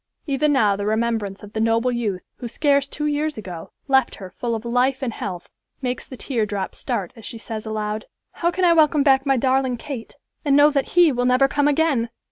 Even now the remembrance of the noble youth, who scarce two years ago, left her full of life and health, makes the tear drop start as she says aloud, "How can I welcome back my darling Kate, and know that he will never come again!"